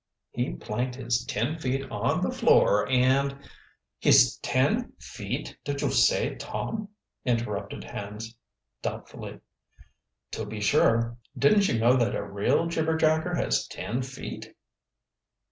"He planked his ten feet on the floor, and " "His ten feet did you said, Tom?" interrupted Hans doubtfully. "To be sure. Didn't you know that a real jibberjacker has ten feet?"